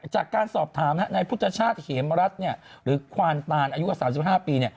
จากการสอบถามนายพุทธชาติเหมรัฐหรือควานตานอายุ๓๕ปี